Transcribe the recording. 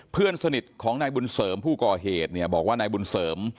เพื่อนสนิทของนายบุญเสริมผู้ก่อเหตุเนี่ยบอกว่านายบุญเสริม